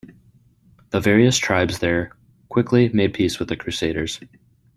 The various tribes there quickly made peace with the Crusaders.